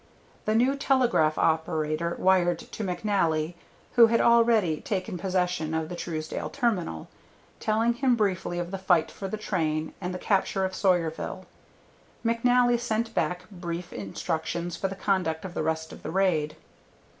The new telegraph operator wired to McNally, who had already taken possession of the Truesdale terminal, telling him briefly of the fight for the train and the capture of Sawyerville. McNally sent back brief instructions for the conduct of the rest of the raid.